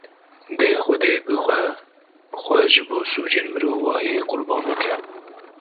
Dê Xwedê bi xwe, xwe ji bo sûcên mirovahiyê qurban bike.